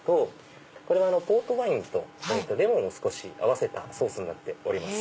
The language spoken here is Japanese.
これはポートワインとレモンを合わせたソースになっております。